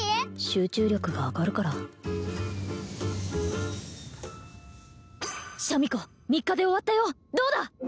集中力が上がるからシャミ子３日で終わったよどうだ！